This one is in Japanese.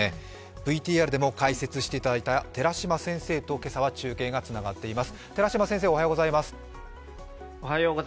ＶＴＲでも解説していただいた寺嶋先生と今朝は中継がつながっています。